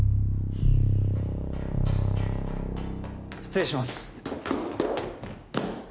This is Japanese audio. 失礼します